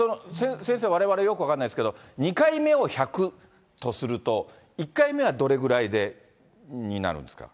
先生、われわれよく分かんないんですけれども、２回目を１００とすると、１回目はどれぐらいで、になるんですか。